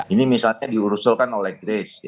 ini misalnya diuruskan oleh grace